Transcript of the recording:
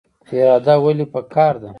اراده ولې پکار ده؟